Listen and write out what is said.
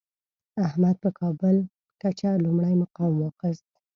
احمد په کابل کچه لومړی مقام واخیست.